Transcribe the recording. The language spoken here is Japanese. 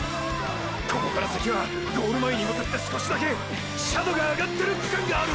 ここから先はゴール前に向かって少しだけ斜度が上がってる区間がある！！